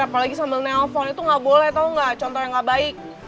apalagi sambil nelfon itu nggak boleh tahu nggak contoh yang gak baik